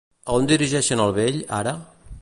A on dirigeixen el vell, ara?